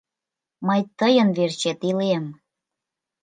Мый тыйын верчет илем!